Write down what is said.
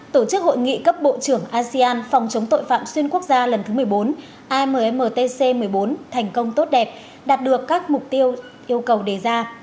tổ chức hội nghị cấp bộ trưởng asean phòng chống tội phạm xuyên quốc gia lần thứ một mươi bốn ammtc một mươi bốn thành công tốt đẹp đạt được các mục tiêu yêu cầu đề ra